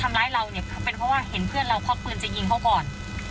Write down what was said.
เป็นเพราะว่าเห็นเพื่อนเราพอกพื้นจะยิงเขาก่อน